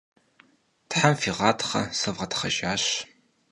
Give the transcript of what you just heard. Them fiğatxhe, sıvğetxhejjaş!